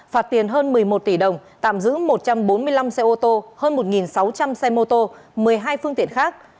phạt tiền hơn một mươi một tỷ đồng tạm giữ một trăm bốn mươi năm xe ô tô hơn một sáu trăm linh xe mô tô một mươi hai phương tiện khác